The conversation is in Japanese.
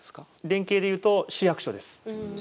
連携でいうと市役所です。